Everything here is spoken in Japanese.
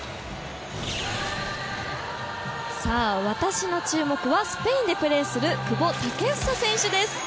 私の注目は、スペインでプレーする久保建英選手です。